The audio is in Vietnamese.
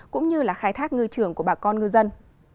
cũng như là khai thác ngư trường của bà con ngư dân